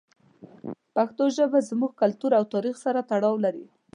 پښتو ژبه زموږ کلتور او تاریخ سره تړاو لري.